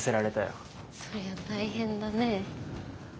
そりゃ大変だね。